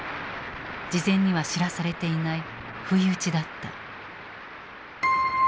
事前には知らされていない不意打ちだった。